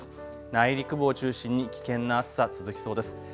内陸部を中心に危険な暑さ続きそうです。